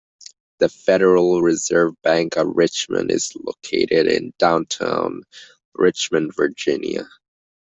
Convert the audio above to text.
The Federal Reserve Bank of Richmond is located in Downtown Richmond, Virginia.